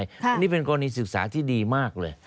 อันนี้เป็นกรณีศึกษาที่ดีมากเลย